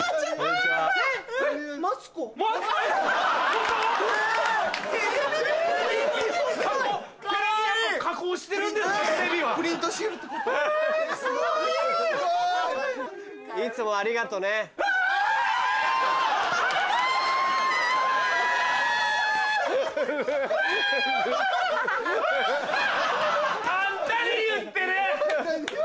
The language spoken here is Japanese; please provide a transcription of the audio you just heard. わはは！あんたに言ってる！